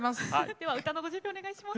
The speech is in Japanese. では歌のご準備お願いします。